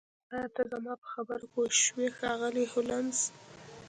ایا ته زما په خبره پوه شوې ښاغلی هولمز